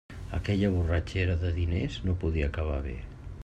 Aquella borratxera de diners no podia acabar bé.